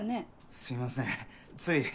すいませんつい。